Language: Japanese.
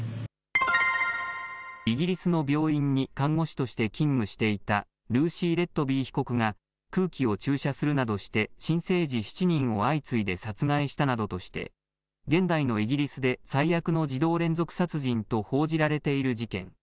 イギリスの病院に看護師として勤務していたルーシー・レットビー被告が空気を注射するなどして新生児７人を相次いで殺害したなどとして現代のイギリスで最悪の児童連続殺人と報じられている事件。